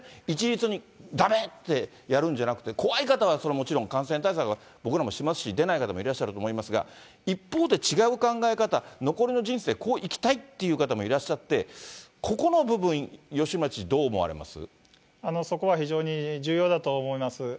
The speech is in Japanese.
一律にだめってやるんじゃなくて、怖い方はそれはもちろん、感染対策は僕らもしますし、出ない方もいらっしゃると思いますが、一方で、違う考え方、残りの人生こう生きたいという方もいらっしゃって、ここの部分、そこは非常に重要だと思います。